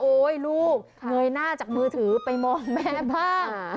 ลูกเงยหน้าจากมือถือไปมองแม่บ้าง